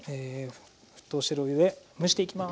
沸騰してるお湯で蒸していきます。